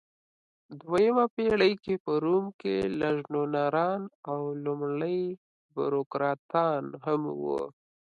دویمه پېړۍ کې په روم کې لژنونران او لومړۍ بوروکراتان هم وو.